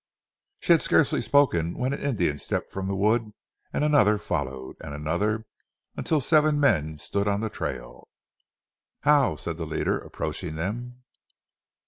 She had scarcely spoken when an Indian stepped from the wood, and another followed, and another until seven men stood on the trail. "How!" said the leader, approaching them.